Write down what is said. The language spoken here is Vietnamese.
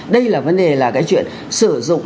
đây là vấn đề là cái chuyện sử dụng